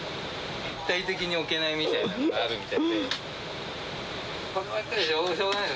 立体的に置けないみたいなのがあるみたいで。